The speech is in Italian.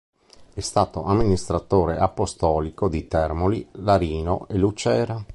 È stato amministratore apostolico di Termoli, Larino e Lucera.